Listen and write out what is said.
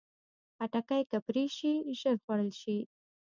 خټکی که پرې شي، ژر خوړل شي.